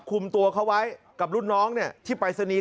คุมตัวเขาไว้กับรุ่นน้องเนี่ยที่ไปซะนี้